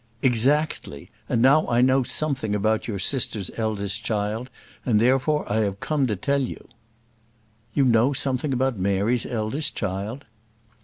"Exactly; and now I know something about your sister's eldest child, and, therefore, I have come to tell you." "You know something about Mary's eldest child?"